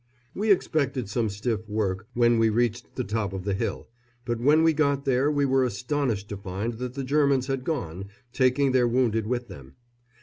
We expected some stiff work when we reached the top of the hill; but when we got there we were astonished to find that the Germans had gone, taking their wounded with them.